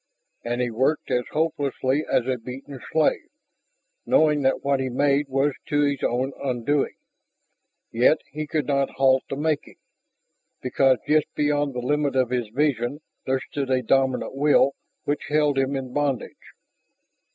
And he worked as hopelessly as a beaten slave, knowing that what he made was to his own undoing. Yet he could not halt the making, because just beyond the limit of his vision there stood a dominant will which held him in bondage.